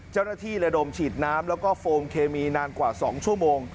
เจ้าหน้าที่และดมชีดน้ำแล้วก็โฟมเคมีนานกว่า๒ชั่วโมง